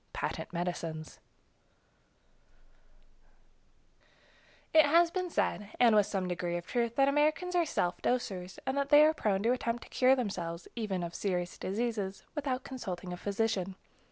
Patent Medicines It has been said, and with some degree of truth, that Americans are self dosers, and that they are prone to attempt to cure themselves, even of serious diseases, without consulting a physician.